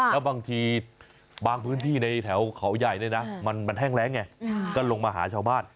แล้วบางทีบางพื้นที่ในแถวเขาใหญ่เนี่ยนะมันแห้งแรงไงก็ลงมาหาชาวบ้าน